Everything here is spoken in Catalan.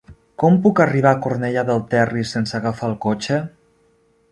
Com puc arribar a Cornellà del Terri sense agafar el cotxe?